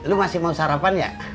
lo masih mau sarapan ya